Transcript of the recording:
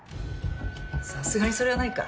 さすがにそれはないか。